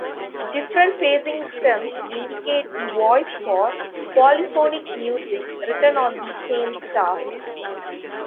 Different-facing stems indicate the voice for polyphonic music written on the same staff.